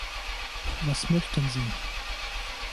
Was möchten Sie?